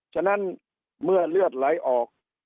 ฉะนั้นเมื่อเลือดไหลออก